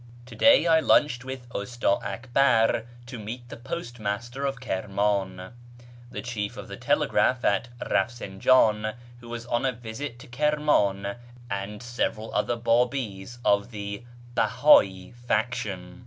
— To day I lunched with Usta Akbar to meet the postmaster of Kirman ; the 3hief of the telegraph at Eafsinjan, who was on a visit to Kirman ; and several other Babis of the Beha'i faction.